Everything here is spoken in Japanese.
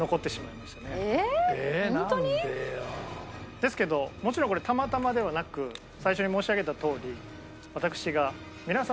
ですけどもちろんこれたまたまではなく最初に申し上げたとおり。